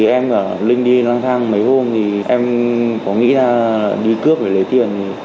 em và linh đi lang thang mấy hôm em có nghĩ ra đi cướp để lấy tiền